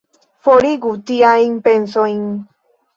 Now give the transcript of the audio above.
Forigu tiajn pensojn!